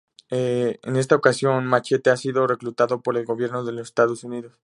En esta ocasión Machete ha sido reclutado por el gobierno de los Estados Unidos.